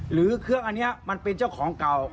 หรือเครื่องอันนี้มันเป็นเจ้าของเก่า